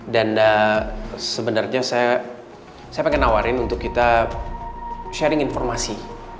dan sebenarnya saya pengen nawarin untuk kita sharing informasi